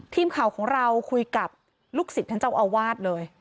ทีมข่าวของเราคุยกับลูกศิษย์ท่านเจ้าอาวาสเลย